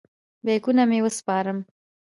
بیکونه مې وسپارم.